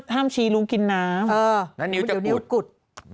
ห้ามชี้รุ้งกินน้ำแล้วนิ้วกุด